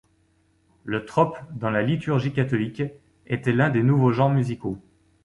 Le trope dans la liturgie catholique était l'un de nouveaux genres musicaux.